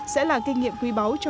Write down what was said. sẽ là kinh nghiệm quy báo